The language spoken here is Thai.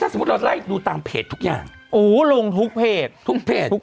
สมมุติเราไล่ดูตามเพจทุกอย่างโอ้ลงทุกเพจทุกเพจทุก